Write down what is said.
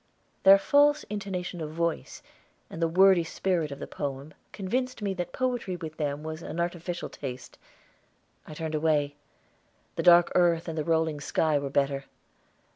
Their false intonation of voice and the wordy spirit of the poem convinced me that poetry with them was an artificial taste. I turned away. The dark earth and the rolling sky were better.